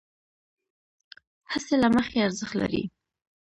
هڅې له مخې ارزښت لرې،